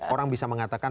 orang bisa mengatakan